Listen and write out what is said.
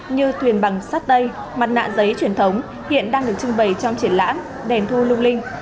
như thuyền bằng sắt tây mặt nạ giấy truyền thống hiện đang được trưng bày trong triển lãm đèn thu lung linh